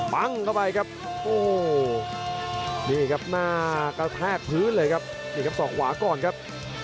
ปั้งเข้าไปครับโอ้โหนี่ครับหน้ากระแทกพื้นเลยครับนี่ครับศอกขวาก่อนครับ